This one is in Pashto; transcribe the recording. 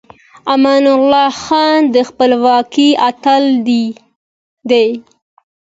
امان الله خان د خپلواکۍ اتل دی.